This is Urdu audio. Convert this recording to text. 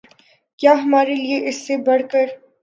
کیا ہمارے لیے اس سے بڑھ کر